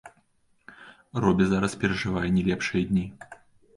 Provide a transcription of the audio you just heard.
Робі зараз перажывае не лепшыя дні.